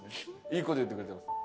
いい事言ってくれてます。